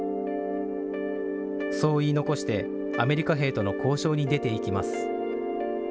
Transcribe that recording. そう言い残して、アメリカ兵との交渉に出ていきます。